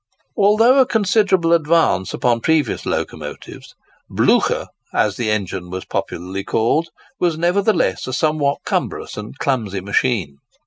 Although a considerable advance upon previous locomotives, "Blutcher" (as the engine was popularly called) was nevertheless a somewhat cumbrous and clumsy machine.